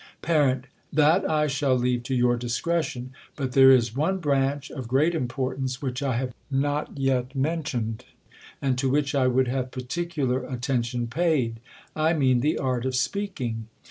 Par. That I shall leave to your discretion. But there is one branch, of great importance, which I have not yet mentioned, and to which I would have particu lar attention paid ; I mean the art of speaking.